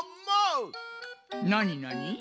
なになに？